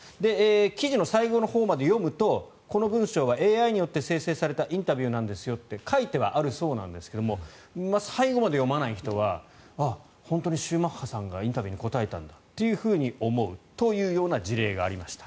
記事の最後のほうまで読むとこの文章はＡＩによって生成されたインタビューなんですよと書いてあるそうなんですが最後まで読まない人は本当にシューマッハさんがインタビューに答えたんだと思うというような事例がありました。